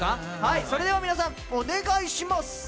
それでは皆さん、お願いします。